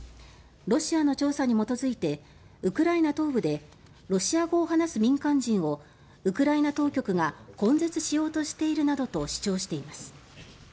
ロシアの調査に基づいてウクライナ東部でロシア語を話す民間人をウクライナ当局が根絶しようとしているなどと主張しています。